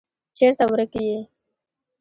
چیرته ورک یې.